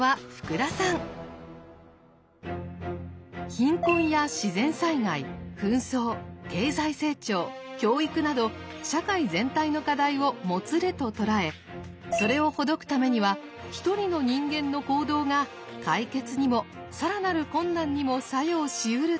貧困や自然災害紛争経済成長教育など社会全体の課題を「もつれ」と捉えそれをほどくためには一人の人間の行動が解決にも更なる困難にも作用しうると主張。